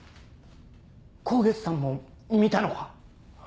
香月さんも見たのか？